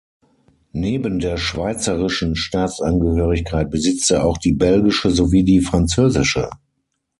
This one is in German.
Neben der schweizerischen Staatsangehörigkeit besitzt er auch die belgische sowie die französische.